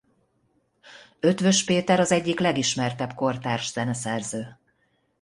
Eötvös Péter az egyik legelismertebb kortárs zeneszerző.